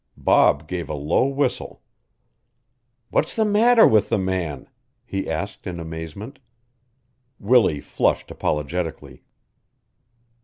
Bob gave a low whistle. "What's the matter with the man?" he asked in amazement. Willie flushed apologetically.